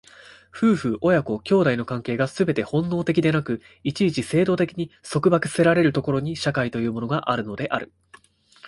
夫婦親子兄弟の関係がすべて本能的でなく、一々制度的に束縛せられる所に、社会というものがあるのである。